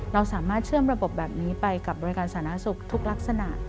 เราสามารถเชื่อมระบบแบบนี้ไปกับบริการสาธารณสุขทุกลักษณะ